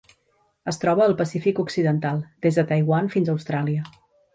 Es troba al Pacífic occidental: des de Taiwan fins a Austràlia.